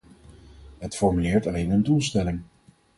Het formuleert alleen een doelstelling.